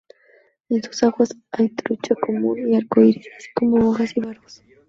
En sus aguas hay trucha común y arcoíris, así como bogas y barbos.